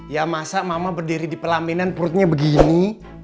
ya masa mama berdiri di pelaminan perutnya begini